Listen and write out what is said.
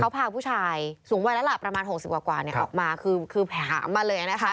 พาผู้ชายสูงวันระหลักประมาณ๖๐กว่าคือแผงหามาเลย